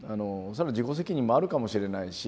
そりゃ自己責任もあるかもしれないし